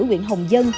nguyện hồng dân